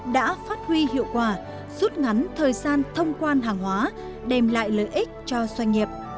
đã phát huy hiệu quả rút ngắn thời gian thông quan hàng hóa đem lại lợi ích cho doanh nghiệp